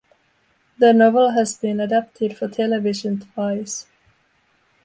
The novel has been adapted for television twice.